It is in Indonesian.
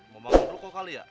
mau bangun rokok kali ya